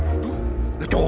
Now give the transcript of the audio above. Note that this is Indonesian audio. itu beri juga